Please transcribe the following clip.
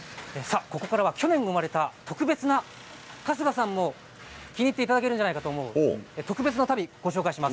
去年生まれた、特別な春日さんも気に入っていただけるんじゃないかという足袋をご紹介します。